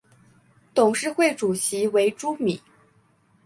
董事会主席为朱敏。